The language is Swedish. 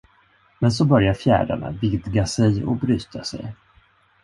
Men så börjar fjärdarna vidga sig och bryta sig.